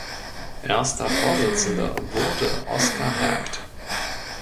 Erster Vorsitzender wurde Oskar Hergt.